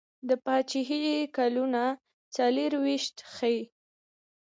د پاچهي کلونه څلیرویشت ښيي.